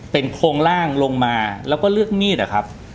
เป็นโครงร่างลงมาแล้วก็เลือกมีดอะครับ